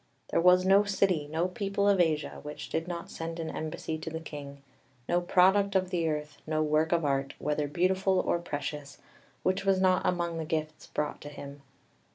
"There was no city, no people of Asia, which did not send an embassy to the king; no product of the earth, no work of art, whether beautiful or precious, which was not among the gifts brought to him.